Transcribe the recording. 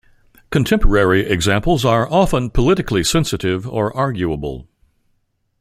Contemporary examples are often politically sensitive or arguable.